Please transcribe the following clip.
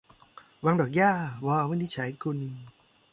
วังดอกหญ้า - ว วินิจฉัยกุล